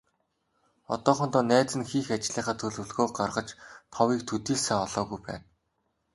Одоохондоо найз нь хийх ажлынхаа төлөвлөгөөг гаргаж, товыг төдий л сайн олоогүй байна.